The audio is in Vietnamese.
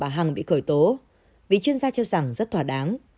bà hăng bị khởi tố vì chuyên gia cho rằng rất thỏa đáng